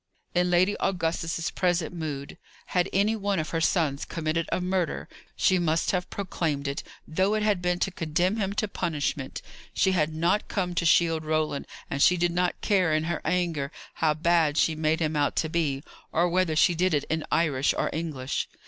In Lady Augusta's present mood, had any one of her sons committed a murder, she must have proclaimed it, though it had been to condemn him to punishment. She had not come to shield Roland; and she did not care, in her anger, how bad she made him out to be; or whether she did it in Irish or English.